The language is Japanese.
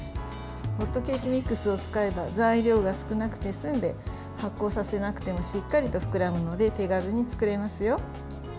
ホットケーキミックスを使えば材料が少なくて済んで発酵させなくてもしっかりと膨らむので手軽に作れますよ。